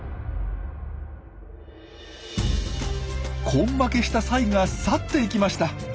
根負けしたサイが去っていきました。